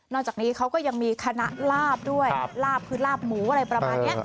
จากนี้เขาก็ยังมีคณะลาบด้วยลาบคือลาบหมูอะไรประมาณนี้